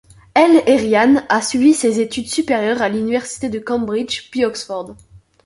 El Erian a suivi ses études supérieures à l'université de Cambridge puis Oxford.